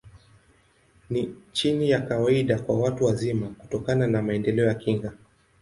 Ni chini ya kawaida kwa watu wazima, kutokana na maendeleo ya kinga.